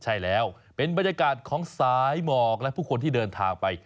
ใช่แล้วเป็นบรรยากาศของสายหมอกและผู้คนที่เดินทางไป